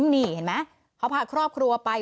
นี่เห็นไหมเขาพาครอบครัวไป